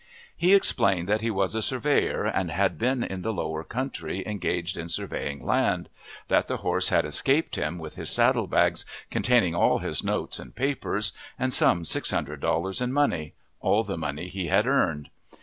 He explained that he was a surveyor, and had been in the lower country engaged in surveying land; that the horse had escaped him with his saddle bags containing all his notes and papers, and some six hundred dollars in money, all the money he had earned.